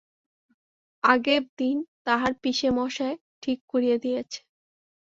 আগেব দিন তাহার পিসেমশায় ঠিক করিয়া দিয়াছে।